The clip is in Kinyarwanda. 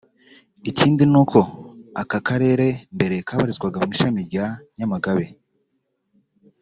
Ikindi ni uko aka karere mbere kabarizwaga mu ishami rya Nyamagabe